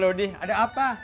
eh lodi ada apa